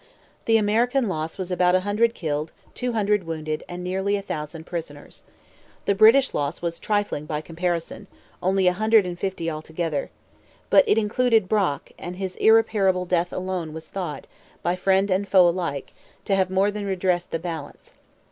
The American loss was about a hundred killed, two hundred wounded, and nearly a thousand prisoners. The British loss was trifling by comparison, only a hundred and fifty altogether. But it included Brock; and his irreparable death alone was thought, by friend and foe alike, to have more than redressed the balance.